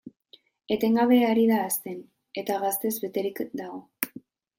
Etengabe ari da hazten, eta gaztez beterik dago.